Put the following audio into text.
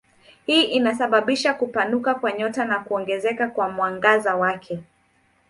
Hii inasababisha kupanuka kwa nyota na kuongezeka kwa mwangaza wake.